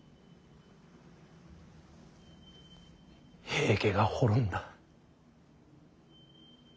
平家が滅んだ。